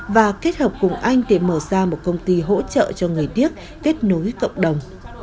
và kết hợp cùng anh để mở ra một công ty hỗ trợ cho người điếc kết nối cộng đồng